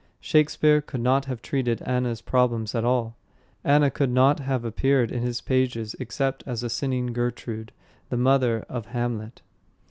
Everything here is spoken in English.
Shakespeare could not have treated Anna's problems at all. Anna could not have appeared in his pages except as a sinning Gertrude, the mother of Hamlet.